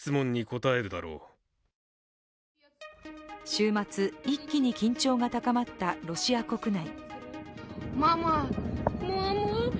週末、一気に緊張が高まったロシア国内。